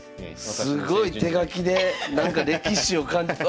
すごい手書きでなんか歴史を感じる。